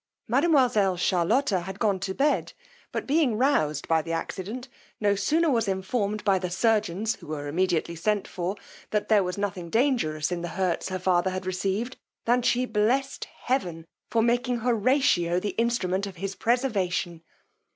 Mademoiselle Charlotta was gone to bed; but being rouzed by the accident, no sooner was informed by the surgeons, who were immediately sent for, that there was nothing dangerous in the hurts her father had received, than she blessed heaven for making Horatio the instrument of his preservation.